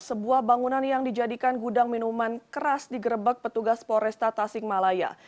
sebuah bangunan yang dijadikan gudang minuman keras digerebek petugas polresta tasikmalaya